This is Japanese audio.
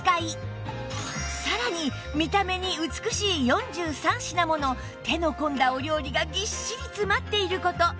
さらに見た目に美しい４３品もの手の込んだお料理がぎっしり詰まっている事